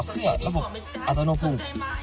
ขอเสื้อระบบอัตโมฟุง